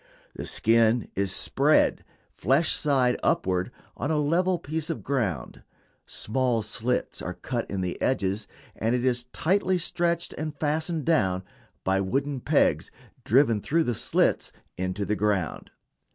The skin is spread, flesh side upward, on a level piece of ground, small slits are cut in the edges, and it is tightly stretched and fastened down by wooden pegs driven through the slits into the ground.